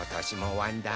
わんだー